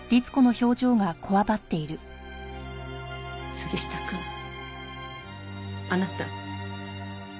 杉下くんあなた刑事ね？